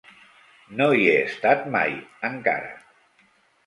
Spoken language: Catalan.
No hi he estat mai, encara.